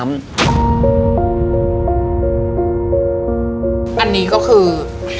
อันนี้ก็คือ